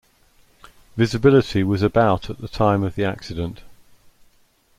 Visibility was about at the time of the accident.